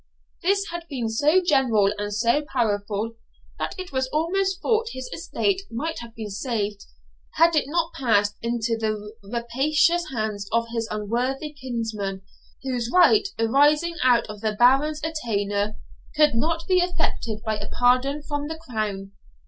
This had been so general and so powerful that it was almost thought his estate might have been saved, had it not passed into the rapacious hands of his unworthy kinsman, whose right, arising out of the Baron's attainder, could not be affected by a pardon from the crown.